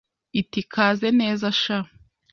Iti kaze neza sha